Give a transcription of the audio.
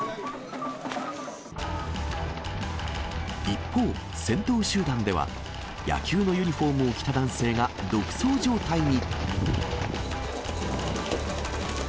一方、先頭集団では、野球のユニホームを着た男性が独走状態に。